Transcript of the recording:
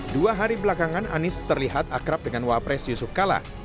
dua hari belakangan anies terlihat akrab dengan wapres yusuf kala